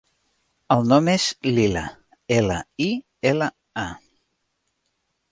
El nom és Lila: ela, i, ela, a.